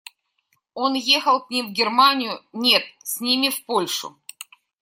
Он ехал к ним в Германию, нет, с ними в Польшу.